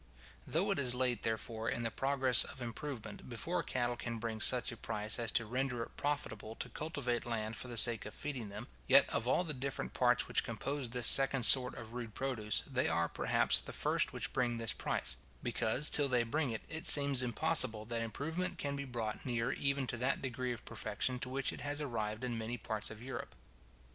Though it is late, therefore, in the progress of improvement, before cattle can bring such a price as to render it profitable to cultivate land for the sake of feeding them; yet of all the different parts which compose this second sort of rude produce, they are perhaps the first which bring this price; because, till they bring it, it seems impossible that improvement can be brought near even to that degree of perfection to which it has arrived in many parts of Europe.